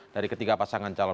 dari ketiga pasangan calon